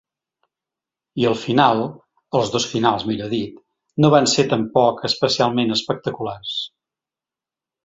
I el final –els dos finals, millor dit–, no van ser tampoc especialment espectaculars.